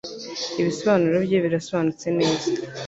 Ibisobanuro bye birasobanutse neza